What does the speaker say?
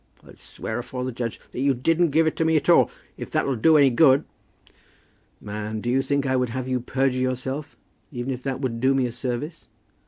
I'll swear afore the judge that you didn't give it me at all, if that'll do any good." "Man, do you think I would have you perjure yourself, even if that would do me a service?